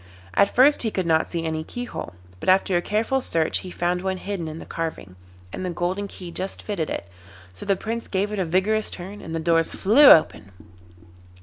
At first he could not see any keyhole, but after a careful search he found one hidden in the carving, and the golden key just fitted it; so the Prince gave it a vigorous turn and the doors flew open.